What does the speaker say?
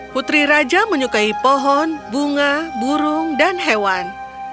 putri raja menyukai pohon bunga burung dan hewan